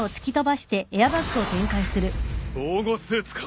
防護スーツか。